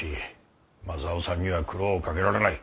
まさをさんには苦労をかけられない。